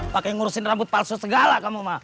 pakai ngurusin rambut palsu segala kamu mah